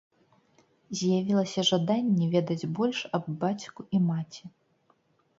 З'явілася жаданне ведаць больш аб бацьку і маці.